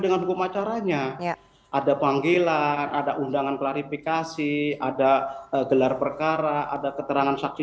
dengan hukum acaranya ada panggilan ada undangan klarifikasi ada gelar perkara ada keterangan saksi